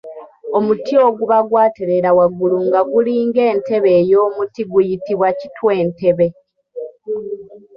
Omuti oguba gwatereera waggulu nga gulinga entebe ey’omuti guyitibwa kitwentebe.